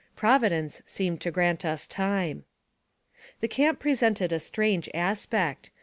Providence seemed to grant us time. The camp presented a strange aspect.